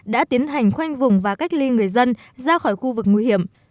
đã tiến hành khoanh vùng và cách ly người dân ra khỏi khu vực nguy hiểm